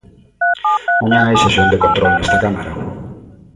Mañá hai sesión de control nesta Cámara.